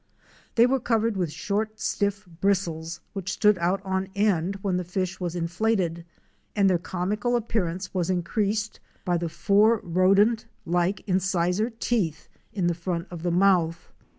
They were covered with short, stiff bristles which stood on end when the fish was in flated, and their comical appearance was increased by the four rodent like incisor teeth in the front of the mouth.